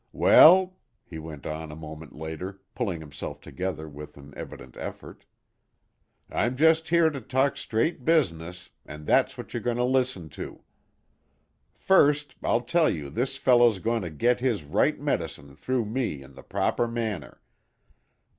"Well?" he went on a moment later, pulling himself together with an evident effort. "I'm just here to talk straight business, and that's what you're going to listen to. First, I'll tell you this fellow's going to get his right medicine through me in the proper manner.